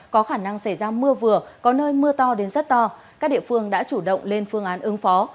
có khả năng xảy ra mưa vừa có nơi mưa to đến rất to các địa phương đã chủ động lên phương án ứng phó